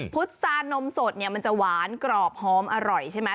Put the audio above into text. พุษานมสดเนี่ยมันจะหวานกรอบหอมอร่อยใช่ไหม